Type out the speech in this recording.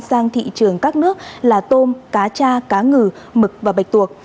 sang thị trường các nước là tôm cá cha cá ngừ mực và bạch tuộc